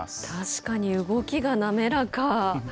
確かに、動きが滑らか。